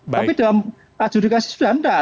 tapi dalam adjudikasi sudah tidak